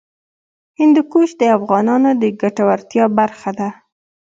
هندوکش د افغانانو د ګټورتیا برخه ده.